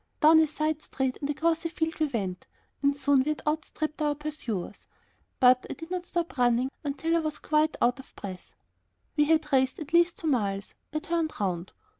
Down a side street and across a field we went, and soon we had outstripped our pursuers, but I did not stop running until I was quite out of breath. We had raced at least two miles. I turned round.